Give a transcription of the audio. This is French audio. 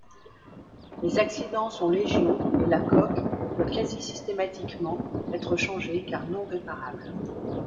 Les accidents sont légions et la coque doit quasi-systématiquement être changée car non réparable.